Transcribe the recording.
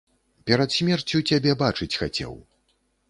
Перад смерцю цябе бачыць хацеў.